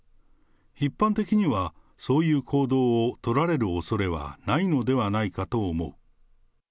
一般的にはそういう行動を取られるおそれはないのではないかと思う。